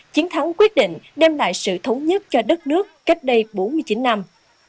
chiến thắng quyết định đem lại sự thống nhất cho đất nước cách đây bốn mươi chín năm